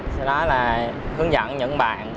đó là hướng dẫn những bạn